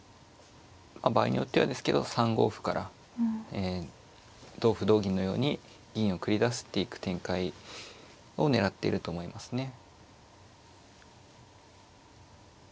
場合によってはですけど３五歩からえ同歩同銀のように銀を繰り出していく展開を狙ってると思いますね。